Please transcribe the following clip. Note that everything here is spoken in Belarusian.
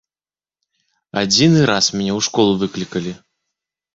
Адзіны раз мяне ў школу выклікалі.